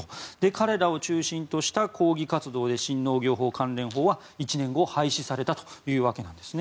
彼らを中心とした抗議活動で新農業法関連法は１年後廃止されたというわけなんです。